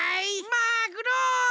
マグロ！